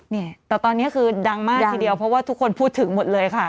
นี่แต่ตอนนี้คือดังมากทีเดียวเพราะว่าทุกคนพูดถึงหมดเลยค่ะ